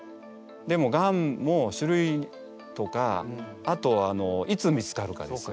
でもガンも種類とかあといつ見つかるかですよね。